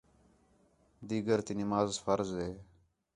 دِیگر تی نماز فرض ہِے